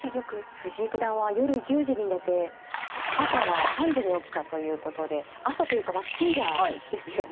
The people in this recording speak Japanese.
藤井九段は夜１０時に寝て朝は３時に起きたということで朝というか深夜ですよね。